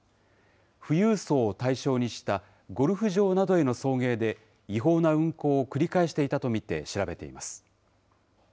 富裕層を対象にした、ゴルフ場などへの送迎で、違法な運航を繰り返していたと見て調べています。